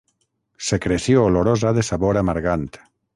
Secreció olorosa de sabor amargant.